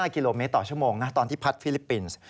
กิโลเมตรต่อชั่วโมงนะตอนที่พัดฟิลิปปินส์